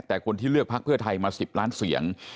แต่คนที่เลือกพักเพื่อไทยมา๑๐ล้านเสียง